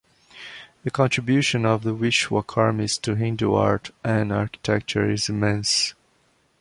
The contribution of the Vishwakarmis to Hindu art and architecture is immense.